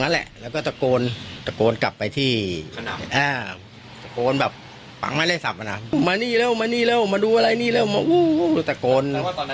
แปลว่าตอนนั้นก็คือไม่มีใครเดินมากับพี่รุ๊ดเลยหรอ